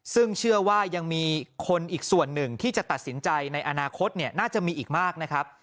ซึ่งเชื่อว่ายังมีคนอีกส่วนหนึ่งที่จะตัดสินใจในอนาคตน่าจะมีอีกมากนะครับ